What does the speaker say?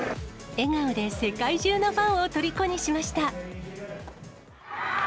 笑顔で世界中のファンをとりこにしました。